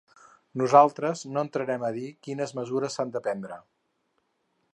Nosaltres no entrarem a dir quines mesures s’han de prendre.